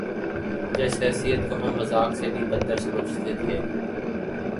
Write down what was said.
جس حیثیت کو ہم مذاق سے بھی بد تر سمجھتے تھے۔